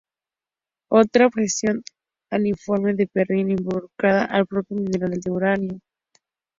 Otra objeción al informe de Perrin involucraba al propio mineral de uranio.